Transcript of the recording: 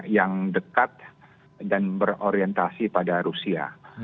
yang dekat dan berorientasi pada rusia